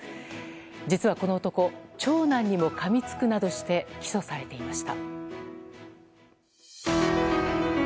実は、この男長男にもかみつくなどして起訴されていました。